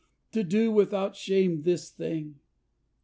To do without shame this thing.